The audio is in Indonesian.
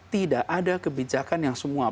tidak ada kebijakan yang semua